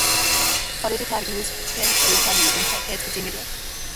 Her leisure time is spent with family and her pet kitten, Mable.